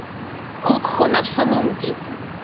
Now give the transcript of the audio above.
Huk hunaq shamunki.